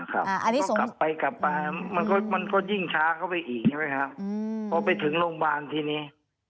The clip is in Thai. ครับกลับไปกลับไปมันก็ยิ่งช้าเข้าไปอีกนะครับเพราะไปถึงโรงพยาบาลที่นี้